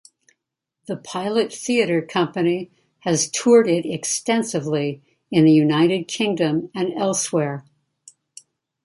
The Pilot Theatre Company has toured it extensively in the United Kingdom and elsewhere.